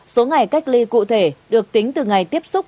số ngày cách ly cụ thể được tính từ ngày tiếp xúc